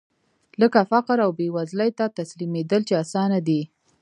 لکه فقر او بېوزلۍ ته تسليمېدل چې اسانه دي.